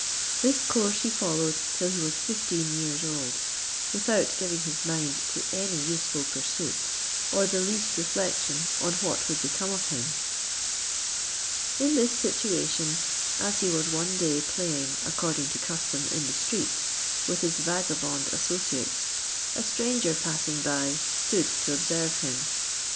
This course he followed till he was fifteen years old, without giving his mind to any useful pursuit, or the least reflection on what would become of him. In this situation, as he was one day playing according to custom in the street, with his vagabond associates, a stranger passing by stood to observe him.